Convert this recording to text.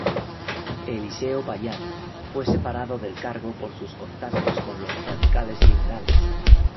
Eliseo Payán fue separado del cargo por sus contactos con los radicales liberales.